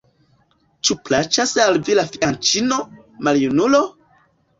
Ĉu plaĉas al vi la fianĉino, maljunulo?